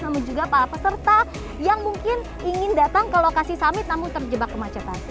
namun juga para peserta yang mungkin ingin datang ke lokasi summit namun terjebak kemacetan